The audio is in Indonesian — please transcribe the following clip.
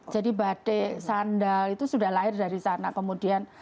jadi batik sandal itu sudah lahir dari sana kemudian